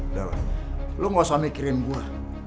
udah lah lo gak usah mikirin gue